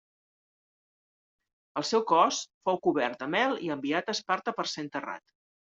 El seu cos fou cobert de mel i enviat a Esparta per ser enterrat.